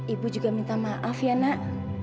ibu juga minta maaf ya nak